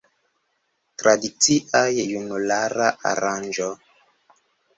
Tradicia junulara aranĝo.